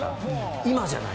今じゃない